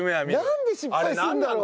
なんで失敗するんだろう